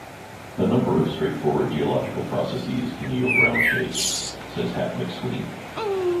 "A number of straightforward geological processes can yield round shapes," says Hap McSween.